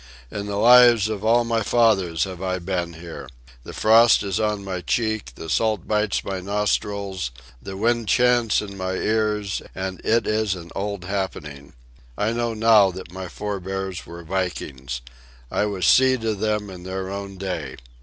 In the lives of all my fathers have I been here. The frost is on my cheek, the salt bites my nostrils, the wind chants in my ears, and it is an old happening. I know, now, that my forbears were Vikings. I was seed of them in their own day.